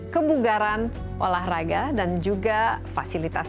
kebugaran olahraga dan juga fasilitas